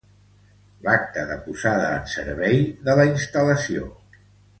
L'acta de posada en servei de la instal·lació.